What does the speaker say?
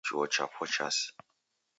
Chuo chapo chasi..